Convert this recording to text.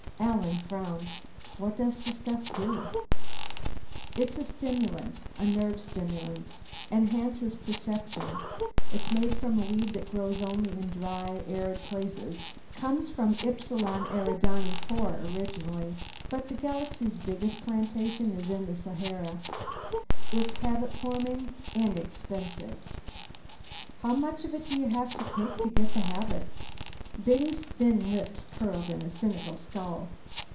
Alan frowned. "What does the stuff do?" "It's a stimulant a nerve stimulant. Enhances perception. It's made from a weed that grows only in dry, arid places comes from Epsilon Eridani IV originally, but the galaxy's biggest plantation is in the Sahara. It's habit forming and expensive." "How much of it do you have to take to to get the habit?" Byng's thin lips curled in a cynical scowl.